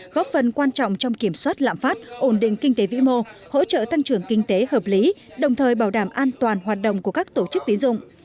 góp phần quan trọng trong kiểm soát lạm phát ổn định kinh tế vĩ mô hỗ trợ tăng trưởng kinh tế hợp lý đồng thời bảo đảm an toàn hoạt động của các tổ chức tín dụng